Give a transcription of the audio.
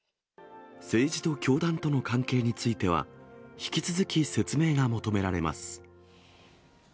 政治と教団との関係については、引き続き説明が求められます。